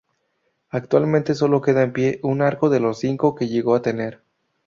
Actualmente solo queda en pie un arco de los cinco que llegó a tener.